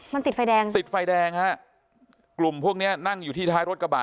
มันติดไฟแดงสิติดไฟแดงฮะกลุ่มพวกเนี้ยนั่งอยู่ที่ท้ายรถกระบะ